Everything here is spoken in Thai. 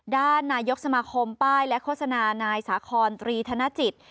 ด้านนายกสมาคมป้ายและโฆษณานายสาคอนตรีธนจิต